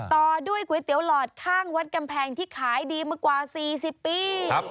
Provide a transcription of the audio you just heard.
ต่อด้วยก๋วยเตี๋ยวหลอดข้างวัดกำแพงที่ขายดีมากว่า๔๐ปี